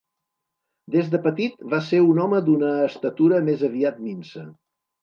Des de petit va ser un home d'una estatura més aviat minsa.